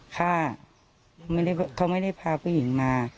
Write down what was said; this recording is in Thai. ฆ่าเขาไม่ได้พาผู้หญิงมา